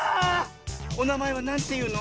おなまえはなんていうの？